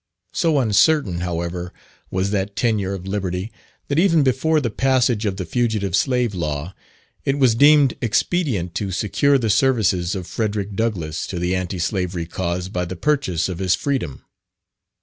So uncertain, however, was that tenure of liberty, that even before the passage of the Fugitive Slave Law, it was deemed expedient to secure the services of Frederick Douglass to the anti slavery cause by the purchase of his freedom.